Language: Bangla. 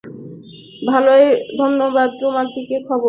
ভালোই ধন্যবাদ তো তোমার কি খবর?